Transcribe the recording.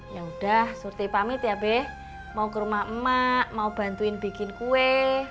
yaudah surti pamit ya be mau ke rumah emak mau bantuin bikin kue